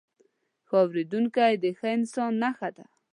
ښه اورېدونکی، د ښه انسان نښه ده.